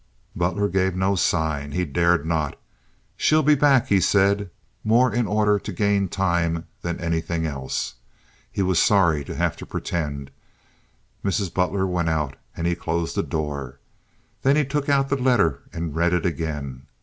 Butler gave no sign. He dared not. "She'll be back," he said, more in order to gain time than anything else. He was sorry to have to pretend. Mrs. Butler went out, and he closed the door. Then he took out the letter and read it again.